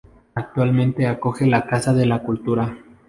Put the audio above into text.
Actualmente acoge la Casa de la Cultura.